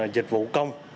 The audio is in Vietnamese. dịch vụ công